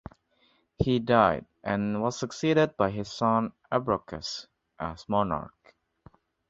He died and was succeeded by his son Ebraucus as monarch.